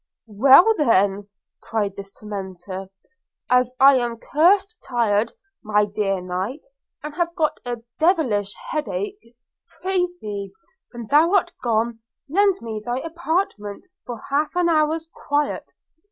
'Well, then,' cried this tormentor, 'as I am cursed tired, my dear knight, and have got a devilish headach, prithee, when thou art gone, lend me thy apartment for half an hour's quiet.